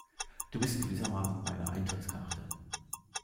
Du bist gewissermaßen meine Eintrittskarte.